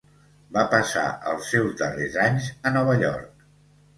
Va passar els seus darrers anys a Nova York.